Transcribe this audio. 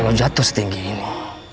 kalau jatuh setinggi ini